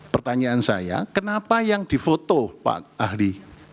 pertanyaan saya kenapa yang difoto pak ahli